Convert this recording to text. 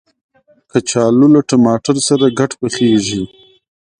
کچالو له ټماټر سره ګډ پخیږي